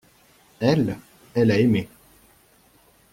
Elle, elle a aimé.